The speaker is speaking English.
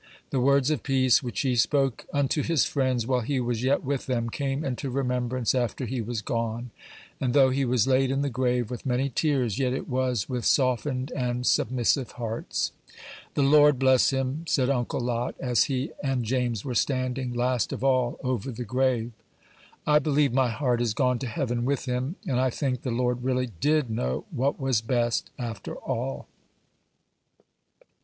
The words of peace which he spoke unto his friends while he was yet with them came into remembrance after he was gone; and though he was laid in the grave with many tears, yet it was with softened and submissive hearts. "The Lord bless him," said Uncle Lot, as he and James were standing, last of all, over the grave. "I believe my heart is gone to heaven with him; and I think the Lord really did know what was best, after all."